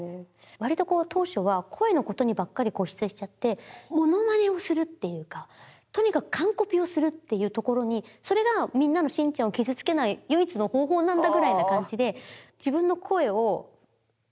割とこう当初は声の事にばっかり固執しちゃってモノマネをするっていうかとにかく完コピをするっていうところにそれがみんなのしんちゃんを傷つけない唯一の方法なんだぐらいな感じで。